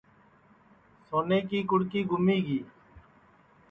سونے کی کُڑکی گُمی گی